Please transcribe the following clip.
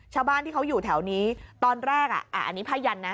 ชาวบ้านที่เขาอยู่แถวนี้ตอนแรกอ่ะอันนี้ผ้ายันนะ